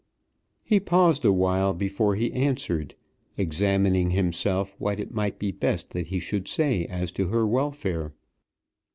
He paused a while before he answered, examining himself what it might be best that he should say as to her welfare.